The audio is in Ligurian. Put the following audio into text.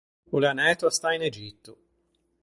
O l’é anæto à stâ in Egitto.